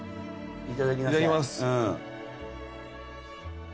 いただきます。